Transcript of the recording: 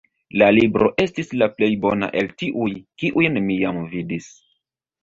La libro estis la plej bona el tiuj, kiujn mi jam vidis.